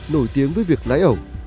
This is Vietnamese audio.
nổi tiếng với việc lái ẩu